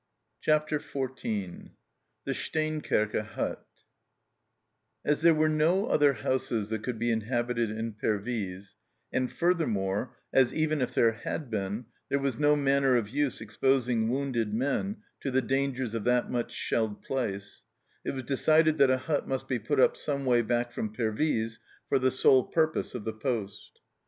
CHAPTER XIV THE STEENKERKE HUT As there were no other houses that could be inhabited in Pervyse, and, furthermore, as, even if there had been, there was no manner of use expos ing wounded men to the dangers of that much shelled place, it was decided that a hut must be put up some way back from Pervyse for the sole purpose of the poste.